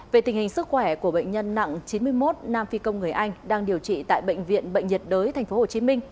về tình hình sức khỏe của bệnh nhân nặng chín mươi một nam phi công người anh đang điều trị tại bệnh viện bệnh nhiệt đới tp hcm